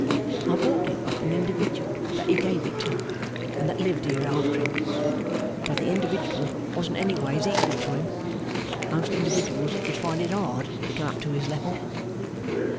I bought it of an individual that he gave it to, and that lived here after him. But the individual wasn't any ways equal to him. Most individuals would find it hard to come up to his level.